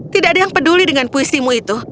tidak ada yang peduli dengan puisimu itu